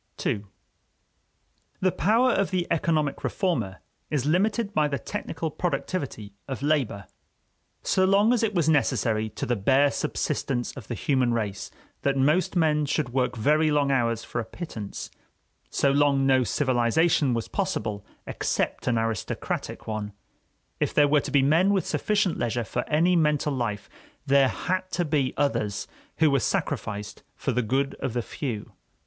II The power of the economic reformer is limited by the technical productivity of labor. So long as it was necessary to the bare subsistence of the human race that most men should work very long hours for a pittance, so long no civilization was possible except an aristocratic one; if there were to be men with sufficient leisure for any mental life, there had to be others who were sacrificed for the good of the few.